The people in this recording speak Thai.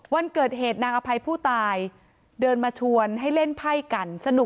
วันเกิดเหตุนางอภัยผู้ตายเดินมาชวนให้เล่นไพ่กันสนุก